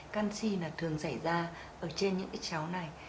canxi là thường xảy ra ở trên những cái cháu này